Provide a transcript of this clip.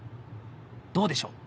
どうでしょう？